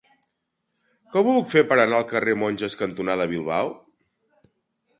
Com ho puc fer per anar al carrer Monges cantonada Bilbao?